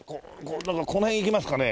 この辺いきますかね